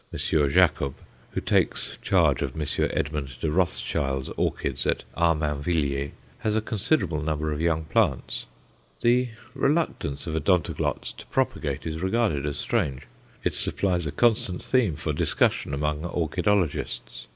Jacob, who takes charge of M. Edmund de Rothschild's orchids at Armainvilliers, has a considerable number of young plants. The reluctance of Odontoglots to propagate is regarded as strange; it supplies a constant theme for discussion among orchidologists.